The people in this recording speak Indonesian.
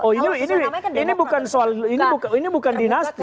oh ini bukan soal ini bukan dinasti